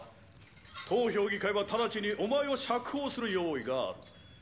当評議会は直ちにお前を釈放する用意がある